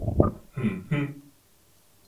噷噷